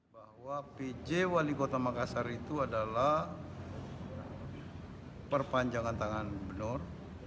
bahwa pj wali kota makassar itu adalah perpanjangan tangan benur